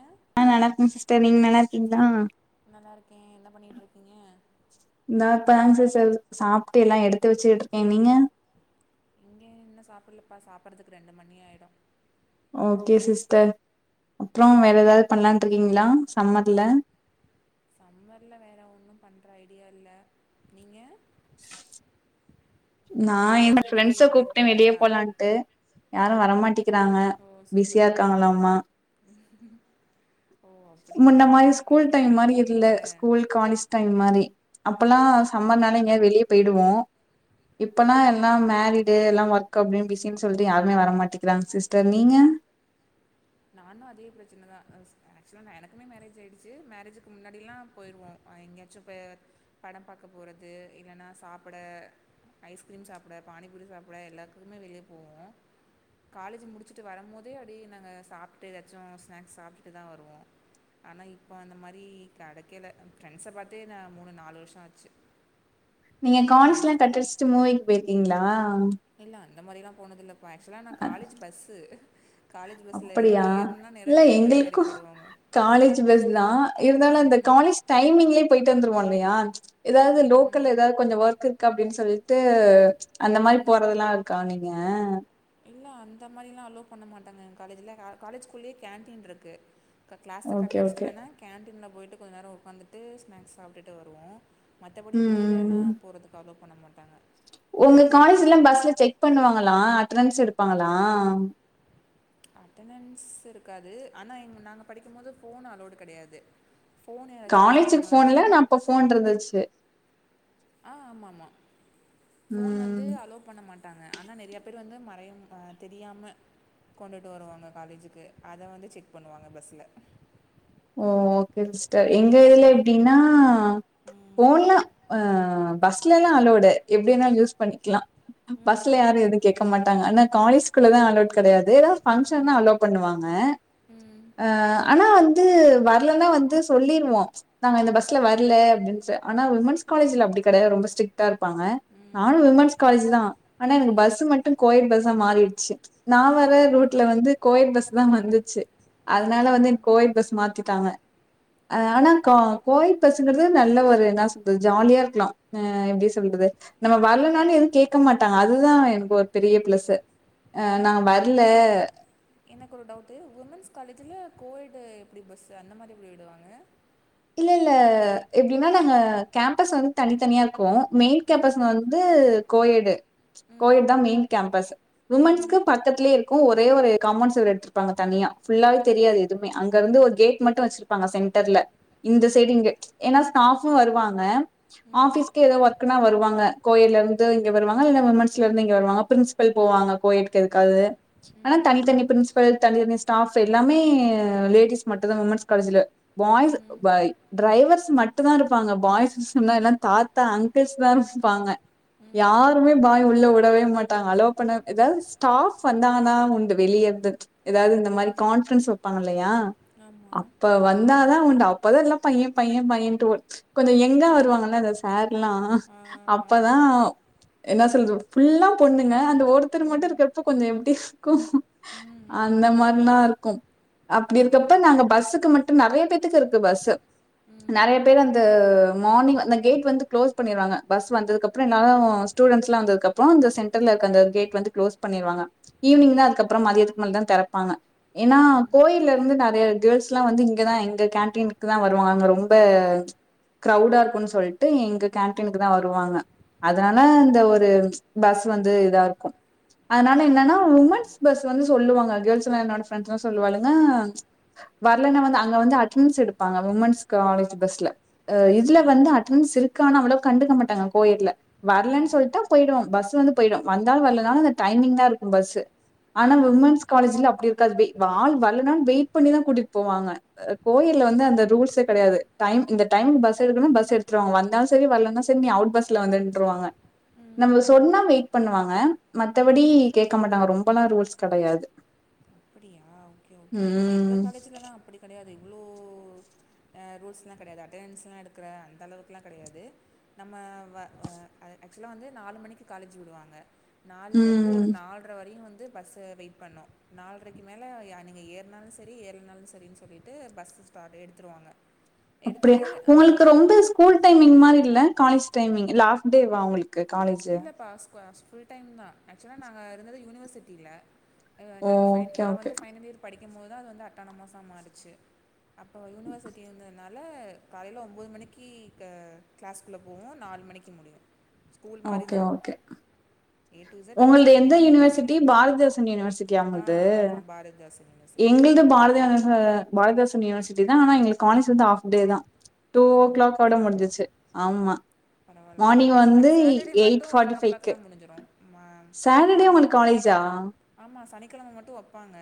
ஆ நல்லாருக்கோம் சிஸ்டர் நீங்க நல்லா இருக்கீங்களா நல்லா இருக்கேன் என்ன பண்ணிட்டு இருக்கீங்க இந்தா இப்பதாங்க சிஸ்டர் சாப்ட்டு எல்லாம் எடுத்து வச்சுக்கிட்டு இருக்கேன் நீங்க இங்க இன்னும் சாப்பிடலப்பா சாப்டறதுக்கு ரெண்டு மணி ஆயிடும் ஓகே சிஸ்டர் அப்றொம் வேற ம் ஏதாவது பண்லானுட்டு இருக்கீங்களா சம்மர்ல சம்மர்ல வேற ஒன்னும் பண்ற ஐடியா இல்ல நீங்க நான் ஃப்ரெண்ட்ஸ் கூட என்னோட ஃப்ரெண்ட்ஸ வெளியெல்லாம் கூப்டேன் வெளிய போயிருக்கீங்களா போலான்ட்டு யாரும் வரமாட்டிக்கிறாங்க ஓ பிஸியா சூப்பர் இருக்காங்களாம்மா [unintelligible] ஓ அப்படியா முன்ன மாரி ஸ்கூல் இதுக்கு டைம் முன்னாடிலாம் மாரி இல்ல போயிருக்கீங்கள்ல ஸ்கூல் காலேஜ் டைம் மாரி அப்பலா சம்மர்னாலே ம் எங்கயாது வெளிய பொயிடுவோ இப்பலா எல்லா ம் மேரீ டு எல்லா ஒர்க் அப்டின் பிசின் சொல்ட்டு யாருமே வர மாட்டிகிறாங்க சிஸ்டர் நீங்க நானு அதே பிரச்சனதா ஆக்சுலா நா எனக்குமே மேரேஜ் ஆயிடுச்சி மேரேஜுக்கு முன்னாடிலா பொயிடுவோ எங்கெயாச்சு இப்ப படம் பாக்க போறது இல்லனா சாப்பட ஐஸ்கிரீம் சாப்ட பானிபூரி சாப்ட எல்லாத்துக்குமே வெளிய போவோ காலேஜ் முடிச்சிட்டு வரம்போதே அப்டியே நாங்க சாப்டு எதாச்சு ஸ்நாக்ஸ் சாப்டுட்டு தா வருவோ ஆனா இப்ப அந்த மாரி கடைக்கல ஃப்ரெண்ட்ஸ பாத்தே நா மூணு நாலு வர்ஷோ ஆச்சு நீங்க கிளாஸ் காலேஜ்லா கட்டடிச்சிட்டு மூவீக்கு பொயிர்க்கீங்ளா இல்ல அந்த மாரிலா போனதில்லபா ஆக்சுலா நா காலேஜ் பஸ்ஸு காலேஜ் பஸ்ல இங்க அப்படியா? ஏற்னா நேரா இல்ல வீட்டுகிட்ட தா எறக்கி எங்களுக்கும் வுடுவாங்க காலேஜ் பஸ் தா இருந்தாலு அந்த காலேஜ் டைமிங்லே பொயிட்டு வந்துருவாங்கயா எதாது ம் லோக்கல் எதாது கொஞ்சோ ஒர்க் இருக் கு அப்டின் சொல்லிட்டு அந்த மாரி ம் போறதெல்லா இருக்கா நீங்க இல்ல அந்த மாரிலா அலோவ் பண்ண மாட்டாங்க எங்க காலேஜ்ல அ காலேஜ்குள்ளே கேன்டீன் இருக்கு கிளாஸ கட் ஓகே, அடிச்சிட்டு ஓகே. வேனா கேன்டீன்ல பொயிட்டு கொஞ்ச நேர ஒக்காந்துட்டு ஸ்நாக்ஸ் சாப்டுட்டு வருவோ மத்தபடி ம், ம், வெளியிலலா போறதுக்கு அலோ பண்ண மாட்டாங்க அது ஒங்க ஃபுல்லா காலேஜ்லா பஸ்ல செக் பண்ணுவாங்களா அட்டனன்ஸ் எடுப்பாங்களா அட்டனன்ஸ் இருக்காது ஆனா எங் நாங்க படிக்கம்போது ஃபோன் அலோவ்டு கெடயாது ஃபோன் எதாச்சு காலேஜுக்கு ஃபோன் வச்சுருக்காங்களான் இல்ல. சொல் நான் அப்ப ஃபோன் இருந்தச்சு ஆ ஆமா ஆமா ஃபோன் வந் ன்டு ம். அலோ பண்ண மாட்டாங்க ஆனா நெறையா பேர் வந்து மறைய அ தெரியாம கொண்டுட்டு வருவாங்க காலேஜுக்கு அத வந்து செக் பண்ணுவாங்க பஸ்ல ஓ ஓகே சிஸ்டர் ஸோ எங்க உங்க இதுல காலேஜ்லா எப்டினா ம் ஃபோன்லா அ பஸ்லலா அலோடு எப்டி வேனா யூஸ் பண்ணிக்லா ம் பஸ்ல ம் யாரு எதுவு கேக்க மாட்டாங்க ஆனா காலேஜ்குள்ளலா அலோட் கெடயாது பங்ஷன்னா அலோவ் பண்ணுவாங்க ம் அ ஆனா வந் து வர்லனா வந்து சொல்லிர்வோ நாங்க இந்த பஸ்ல வர்ல அப்டின்சு ஆனா உமென்ஸ் காலேஜ்ல அப்டி கெடயாது ரொம்ப ஸ்ரிக்ட்டா இருப்பாங்க ம் நானு உமன்ஸ் காலேஜ் தா ஆனா எனக்கு ம் பஸு மட்டு கோ எட் பஸ்சா மாறிட்ச்சி நா வர ரூட்ல வந்து கோ எட் பஸ் தா வந்துச்சி ம் ம் அதனால வந்து ம் எனக்கு கோ எட் பஸ் மாத்திட்டாங்க அ ஆனா க கோ எட் பஸ்ங்கறது நல்ல ஒரு என்னா சொல்றது ஜாலியா இருக்லா அ எப்டி சொல்றது நம்ம வர்லனாலு எதுவு கேக்க மாட்டாங்க அதுதா எனக்கு ஒரு பெரிய ப்ளஸ்ஸு அ நா வர்ல இல்ல எனக்கு ஒரு டவுட்டு உமென்ஸ் காலேஜில கோடு எப்டி பஸ்ஸு அந்த மாரி எப்டி விடுவாங்க இல்ல இல்ல எப்டின்னா நாங்க கேம்பஸ் வந்து தனித்தனியா இருக்கோ மெயின் கேப்பஸ்ல ம் வந்து கோ எடு கோ ம் எட் தா மெயின் கேம்பஸ் ம் உமன்ஸ்க்கு பக்கத்லே இருக்கு ஒரே ஒரு காமோன்ட் செவுர் எடுத்துருப்பாங்க தனியா ஃபுல்லாவே ஓ தெரியாது எ துமே அங்க இருந்து ஒரு கேட் மட்டு வச்சிருப்பாங்க சென்டர்ல இந்த ம் சைடு இங்க ஏனா ஸ்டாஃபு வருவாங்க ம் ஆபிஸ்க்கு எதோ ஒர்க்னா வருவாங்க கோ எட்ல இருந்து இங்க வருவாங்க இல்ல விமன்ஸ்ல இருந்து இங்க வருவாங்க ப்ரின்ஸ் பல் போவாங்க கோ எட்க்கு எதுக்காது ஆனா ம் தனித்தனி ப்ரின்ஸ் பல் தனி தனி ஸ்டாஃப் எல்லாமே லேடிஸ் மட்டுதா விமன்ஸ் காலேஜ்ல பாய்ஸ் கு ம் பை டிரைவர்ஸ் மட்டு தா இருப்பாங்க பாய்ஸு சொன்னா எல்லா தாத்தா அங்கள்ஸ் தா இருப்பாங்க ம் ம் யாருமே பாய் உள்ள உடவே மாட்டாங்க அலோ பண்ண எதாவது ஸ்டாஃப் வந்தாங்கனா உண்டு வெளியருந்து எதாவது இந்த மாரி ம் கான்ஃப்ரன்ஸ் வெப்பாங்க இல்லயா ஆமா அப்ப வந்தாதா உண்டு அ ப்பதா எல்லா பைய பைய பையன்டு ஒ கொஞ்சோ யங்கா ஓ வருவாங்கல அந்த சேர்லா ஆ ஆ அப்பதா என்ன சொல்ற ஃபுல்லா பொண்ணுங்க அந்த ஒருத்தர் மட்டு ம் இருக்கப்ப கொஞ்ச எப்டி இருக்கு ம் ம் அந்த மார்னா இருக்கு அப்டி ஓ இருக்கப்ப நாங்க பஸ்ஸுக்கு மட்டு நறைய பேத்துக்கு இரு த்து பஸ்ஸு நெறைய ம் பேர் அந்த மார்னிங் அந்த கேட் வந்து க்ளோஸ் பண்ணிருவாங்க பஸ் வந்ததுக் அப்புறோ என்னாலு ஸ்டூடென்ஸ்லா வந்ததுக்கப்றோ அந்த சென்டர்ல இருக்க அந்த கேட் வந்து க்ளோஸ் பண்ணிருவாங்க ஈவினிங் தா ம் அதுக்கப்றோ மதியத்துக் மேல தா தெறப்பாங்க ஏனா ம் கோயில்ல இருந்து நெறையா கேர்ஸ் லா வந்து இங்கதா எங்க கேன்டீன்க்கு தா வருவாங்க அங்க ரொம்ப க்ரௌடா இருக்குனு சொல்ட்டு எங்க ம் கேன்டீன்க்கு தா வருவாங்க அதனால அந்த ஒரு பஸ் வந்து இதா இருக்கு ஓ அதனால என்னனா அப்படியா உமன்ஸ் பஸ் வந்து சொல்லுவாங்க கேர்ள்ஸ்லா என்னோட ஃப்ரண்டஸ்லா சொல்லுவாளுங்க வர்லனா வந்து அங்க வந்து அட்னன்ஸ் எடுப்பாங்க உமன்ஸ் காலேஜ் பஸ்ல அ ம் இதுல வந்து ம் அ ட்டனன்ஸ் இருக்கானு அவ்வளோ கண்டுக்க மாட்டாங்க கோயெட்ல வர்லன் ம் சொல்ட்டா பொய்டு பஸ் வந்து பொயிடு வந்தாலு வர்லனாலு அந்த டைமிங் தா இருக்கு பஸ்ஸு ஆனா ஓ விமன்ஸ் காலேஜ்ல அப்டி இருக்காது வெ ஆள் வர்லனா வெயிட் பண்ணிதா கூட்டிட் போவாங்க அ கோயெட்ல வந்து அந்த ரூல்ஸே கடயாது டைம் இந்த டைம்க்கு பஸ் எடுக்கணு பஸ் எடுத்துருவாங்க வந்தாலு செரி வர்லனா செரி நீ அவுட் பஸ் ம் நம்ம ம் சொன்னா வெயிட் பண்ணுவாங்க மத்தபடி ஓகே கேக்க மாட்டாங்க ரொம்பலா ரூல்ஸ் கடையாது அப்பிடியா ஓக்கே ஓக்கே இங்க எங்க ம் காலேஜ்லலா அப்டி கெடையாது இவ்ளோ அ ரூஸ்லா கெடையாது அட்டெனன்ஸ்லா எடுக்ற அந்தளவுக்குலா கடையாது நம்ம வ வ அ ஆக்சுவலா வந்து நாலு மணிக்கு காலேஜ் விடுவாங்க நாலுலர்ந்து ம் ஒரு நால்ரை வரையு வந்து பஸ்ஸு வெயிட் பண்ணு நால்ரைக்கு மேல யா நீங்க ஏறுனாலு செரி ஏறிலனாலு செரின் சொல்லிட்டு பஸ்ஸு ஸ்டாட் எடுத்துருவாங்க அப்டியா உங்களுக்கு எடுத்துட்டு ரொம்ப ச ஸ்கூல் டைமிங் மாரி இல்ல காலேஜ் டைமிங் இல்ல ஆஃப் டேவா அவங்களுக் க்கு காலேஜ் இல்ல பாஸ் ஸ்குவ ஃபுல் டைம் தா ஆக்சுவலா நாங்க இருந்தது யூனிவர்சிட்டியில அ ஓ நாங்க ஃபைன் ஓகே நா ஓகே வந்து ஃபைனல் இயர் படிக்கம்போது தா அது வந்து அட்டோனாமஸா மாறுச்சு அப்போ யூனிவர்சிட்டி இருந்ததுனா ல காலையில ஒம்போது மணிக்கி க க்ளாஸ்க்குள்ள போவோ நாலு மணிக்கி முடியு okay okay A to Z அந்த உங்கள்து ஸ்கூல் எந்த மாதிரியே தான் யூனிவர்சிட்டி போகும் பாரதிதாசன் யூனிவர்சிட்டியா ஆ உங்கள்து ஆமாம் பாரதிதாசன் யூனிவர்சிட்டி எங்கள் து பாரதியா அ பாரதிதாசன் யூனிவர்சிட்டி தா ஆனா எங்களுக் காலேஜ் வந்து ஆஃப் டே தா டூ ஓ வோ க்ளாக் ஓட அப்படியா முடுஞ்சுச்சு ஆமா பரவாயில்ல மார்னிங் அ ச வந்து சாட்டர்டே மட்டு எயிட் ஒன் ஃபார்ட்டி ஓ ஃபைவ்க்கு கிளாக்லா முடிஞ்சிடு மா சாட்டர்டே வாரவாரொ உங்களுக்கு காலேஜா ஆமா சனிக்கெழம மட்டு வெப்பாங்க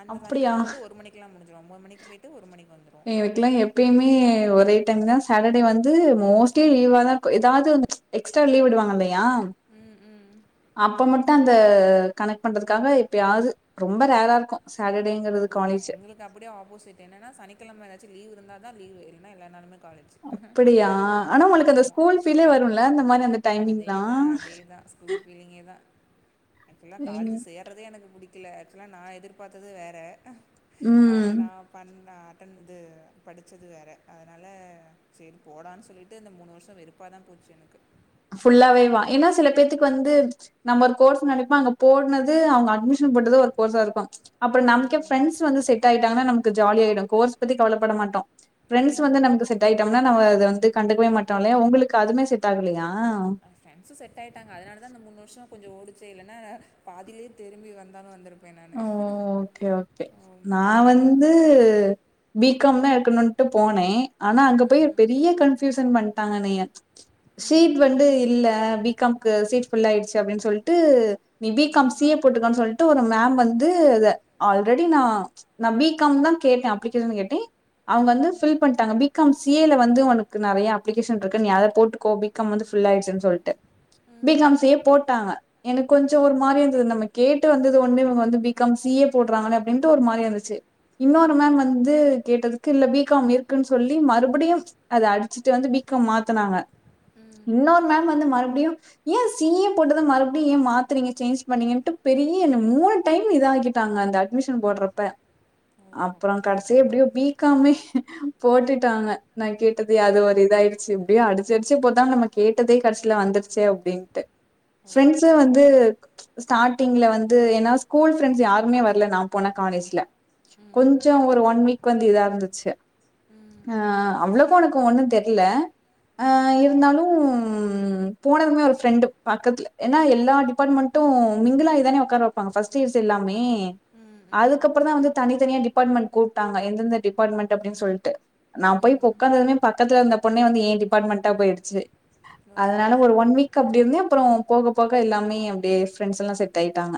அந்த அப்டியா சனிக்கெழம வந்து ஒரு மணிக் க்லா முடிஞ்சிடு ஒம்போத் மணிக்கு போயிட்டு ஒரு மணிக் வந்து நீ வெப் எங்களுக்லா எப்பயுமே ஒரே டைம் தா சாட்டடே வந்து மோஸ்ட்லி லீவாதா எதாவ்து எக்ஸ்ட்ரா லீவ் விடுவாங்க இல்லையா ம் ம் அப்போ மட்டு அந்த கனெக்ட் பண்றதுக்காக இப்ப யாவது ரொம்ப ரேரா இருக்கு சாட்டடேங்கிறது காலேஜு ங்க அப்படியே ஆப்போசிட் என்னனா சனிக்கெழம எதாச்சு லீ்வு இருந்ததா லீ்வு இல்லனா எல்லா நாளுமே காலேஜு அப்படியா ஆனா உங்களுக்கு அந்த ஸ்கூல் ஃபீல்லே வருல்ல இந்த மாரி அந்த டைமிங்லா அதேதா அதேதா ஸ்கூல் ஃபீலிங்கே தா எனக்கல்லா காலேஜ் சேர ட்றதே எனக்கு புடிக்கல ஆக்சுலா நான் எதிர்பாத்தது வேற ஆனா ம் நா பண்ண அட்டன் இது படிச்சது வேற அதனால செரி போடான் சொல்லிட்டு இந்த மூணு வருஷொ வெருப் ப்பா தான் போச்சு எனக்கு ஃபுல்லாவேவா ஏன்னா சில பேத்தக்கு வந்து நம்ம ஒரு கோர்ஸ் நெனைப்போ அங்க போட்னது அவுங்க அட்மிஷன் போட்டது ஒரு கோர்ஸா இருக்கும் அப்பறொ நமக்கே ம் ஃப்ரெண்ட்ஸ் வந்து செட் ஆகிட்டாங்கன்னா நமக்கு ஜாலியாயிடுங் கோர்ஸ் பத்தி கவலப்பட மாட்டோ ஃப்ரெண்ட்ஸ் வந்து ம் நமக்கு செட் ஆயிட்டம்னா நாம அத வந்து கண்டுக்கவே மாட்டோ இல்லையா உங்ளுக்கு அதுமே செட் ஆகலையா அ ஃப்ரெண்ட்ஸு செட் ஆயிட்டாங்க அதனால தா இந்த மூணு வருஷொ கொஞ்சொ ஓடிச்சே இல்லன்னா பாதிலயே திரும்பி வந்தாலு வந்திருப்ப ஓ ஓகே ஓகே நா ஆமாம் அந்த வந்து அளவுக்கு ஆயிடுச்சு பி காம் தா எடுக்கனுட்டு போனே ஆனா அங்க போய் ம், பெரிய கன்ஃபியூசன் பண்ட்டாங்க என்னைய சீட் ம், வந்து இல்ல பி காம் க்கு சீட் ஃபுல்லா ஆயிடுச்சு அப்டின் சொல்ட்டு நீ பி ம், காம் ம், சி ஏ போட்டுக்கன் சொல்ட்டு ஒரு மேம் வந்து ஆல்ரெடி நா நா பி காம் தா கேட்டே அப்ளிகேஷன் கேட்டே அவுங்க வந்து ஃபில் பண்ட்டாங்க B B com C A லவந்து உனக்கு நறைய அப்ளிகேஷன்ருக்கு நீ அத போட்டுக்கோ பி காம் வந்து ஃபுல் ஆயிட்ச்சுன்னு சொல்ட்டு பி ம், காம் சி ஏ போட்டாங்க எனக்கு கொஞ்சொ ம், ஒரு மாரி இருந்துது நம்ம கேட்டு வந்து து ஒண்ணு இவுங்க வந்து பி காம் சி ஏ போட்றாங்களே அப்டின்ட்டு ஒரு மாரியா இருந்துச்சு இன்னொரு மேம் ம், வந்து கேட்டதுக்கு இல்ல பி காம் இருக்குன் சொல்லி மறுபடியும் அத அடிச்சிட்டு வந்து பி காம் மாத்தனாங்க ம். இன்னொரு மேம் வந்து மறுபடியும் ஏன் சீ ஏ போட்டது மறுபடியு ஏ மாத்துரீங்க சேஞ்ச் பண்ணீங்கன்டு பெரிய ஏய் என்ன மூணு டைம் இத ஆகிட்டாங்க அந்த அட்மிஷன் போட்றப்ப ஓ அப்பறொ கடைசி அப்படியா எப்டியோ பீ க் காமே போட்டுட்டாங்க நா கேட்டது ஓ அது ஒரு இதாயடுச்சு இப்டியோ அடிச்சு அடிச்சு போதான் நம்ம கேட்டதே கடைசியில வந்துருச்சே அப்டின்ட்டு ஓகே ப்ரெண்ட்ஸு ஓகே வந்து ஸ்டார்டிங்ல வந்து அது ஏன்னா ஸ்கூல் ஃரெண்ட்ஸ் யாருமே வர்ல நா போன காலேஜ்ல ம் கொஞ்சொ ஒரு ஒன் வீக் வந்து இதா இருந்துச்சு ஆ அவ்ளோக்கு உனக்கு ஒண்ணு தெரியில அ இருந்தாலும் போனதுமே ஒரு ஃப்ரெண்டு பக்கத்துல ஏன்னா எல்லா டிபார்ட்மெண்ட் டு மிங்கிளாயி தானே உக்கார வைப்பாங்க ஃர்ஸ்ட் இயர்ஸ் எல்லாமே ம் ம் அதுக்கப்பறந் தா வந்து தனிதனியா டிபார்ட்மெண்ட கூப்ட்டாங்க எந்தெந்த டிபார்ட்மெண்ட் அப்டின் சொல்ட்டு நா போய் ம் ஒக்காந்ததுமே பக்கத்துல இருந்த பொண்ணே வந்து ஏன் டிபார்ட்மெண்டா போயிடுச்சு ஓ அதனால ஒரு ஒன் சூப்பர் வீக் அப்டி இருந்தே அப்பறொ போக போக எல்லாமே அப்டியே ஃப்ரெண்ட்ஸ் எல்லா செட் ஆயிட்டாங்க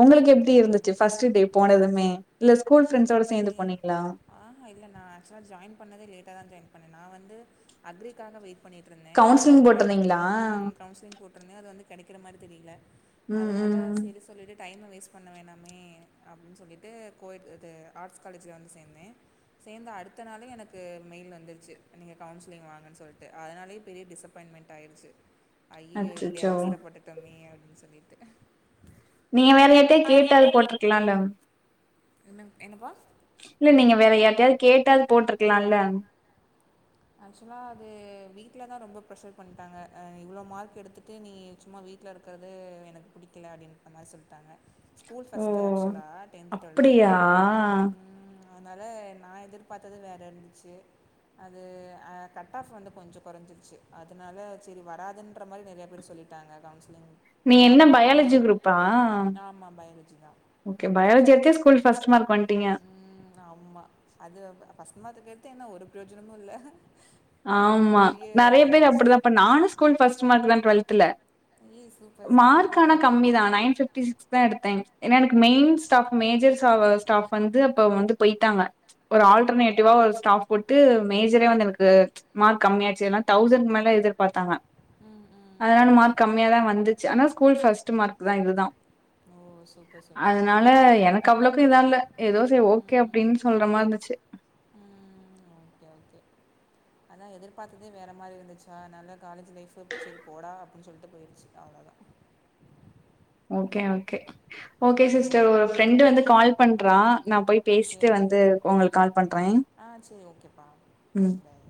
உங்களுக்கு எப்டி ஓகே ஓகே இருந்துச்சு ஃபஸ்டு டே போனதுமே இல்ல ஸ்கூல் அது ஃப்ரெண்ட்ஸ் ஓட ஃபஸ்ட்டே சேந்து போனீங்ளா ஆஹா இல்ல நா ஆக்சுவலா ஜாயின் பண்ணதே லேட்டா தா ஜாயின் பண்ணே நா வந்து அக்ரிக்காக வெயிட் பண்ணிட்ருந்தே அது கவுன்சிலிங் கெடைக் போட்டிருந்தீங்களா ம் கவுன்ஸ்லிங் போட்டிருந்தே அது வந்து கெடைக்கிற மாரி தெரியில ம் அதனால ம் செரி சொல்லிட்டு டைமு வேஸ்ட் பண்ண வேணாமே அப்டின் சொல்லிட்டு கோய டு ஆர்ட்ஸ் காலேஜில வந்து சேந்தே சேந்த அடுத்த நாலெ எனக்கு மெயில் வந்துருச்சு நீங்க கவுன்சிலிங் வாங்கன்னு சொல்லிட்டு அதுனாலய பெரிய டிசப் நி அப்பாயிண்மெண்ட் ஆயிடிச்சு [inaudible] ஐயயோ இப்டி அச்சச்சோ அவசரப்பட்டுட்டோமே அப்டின்னு சொல்லிட்டு நீங்க வேரயர்ட்டயாது கேட்டாது போட்டிருக்கலாம்ல என்ன என்னப்பா இல்ல நீங்க வேற யார்டயாது கேட்டாவது போட்டிருக்கலா இல்ல ஆக்சுவலா அது வீட்ல தா ரொம்ப ப்ரெஷர் பண்ணிட்டாங்க இவ்ளோ மார்க் எடுத்துட்டு நீ சும்மா வீட் வீட்டுல இருக்கிறது எனக்கு பிடிக்கல அப்டின்னு சொல்லிட்டாங்க ஸ்கூல் ஓ ஃபஸ்ட்டு ஆக்சுவலாக டென்து டுவெல்த்தில அப்டியா அதுனால நா எதிர்பாத்தது வேற இருந்துச்சு அது கட் ஆஃப் வந்து கொஞ்சோ குறைஞ்சிருச்சு அதுனால சரி வராதுன்ற மாதிரி நெறைய பேர் சொல்லிட்டு கன்சிலிங் நீ என்ன போனாலு பயாலஜி அமௌட் குரூப்பா ஆமாம பயாலஜி தா ஓகே பயாலஜி எத்தே ஸ்கூல் பர்ஸ்ட் மார்க் வண்டிங்க உ ஆமா அது பஸ்ட் மாத்துக்கத்து என்ன ஒரு பிரயோஜனமு இல்ல ஆமா நெறைய பேர் அப்டிதா இப்ப நானு ஸ்கூல் பஸ்ட் மார்க் தா டுவெல்தல ஏ சூப்பர் சூப்பர் மார்க் ஆ ஆனா கம்மி தா நைன் பிப் தா எடுத்தே ஏன்னா எனக்கு மெயின் ஸ்டாப் மெஜர் ஸ்டாப் வந்து போயிட்டாங்க ஒரு ம் ம் ஆல்டர்னேட்டிவா ஒரு ஸ்டாப் போட்டு மேஜரே வந்து எனக்கு மார்க் கம்மியாச்சுனா தௌசண்ட் மேல எதிர்பாத்தாங்க ம் ம் அதுனால மார்க் கம்மிய தா வந்துச்சு ஆனா ஸ்கூல்ஃபஸ்ட் மார்க் தா இதுதா ஓ சூப்பர் சூப்பர் அதுனால ஓகே ஓகே எனக்கு அவ்ளவுக்கு இதா இல்ல ஏதோ செய்ரி ஓகே ம் அப்டின்னு சொல்ற மாதிரி இருந்துச்சு ம் ஓகே ஓகே அத எதிர்பார்த்ததே வேற மாதிரி இருந்துச்சா அத நல்லா காலேஜ் லைப் சரி போடா அப்டினு சொல்லிட்டு போயிடுச்சு அவ்ளோ தா ஓகே ஓகே ஓகே ம் சிஸ்டர் ஒரு ஃப்ரெண்டு வந்து கால் பண்றா நா போய் ஓகே பேசிட்டு வந்து உங்களுக்கு கால் பண்றே ஆ சரி ஓகேப்பா பாய்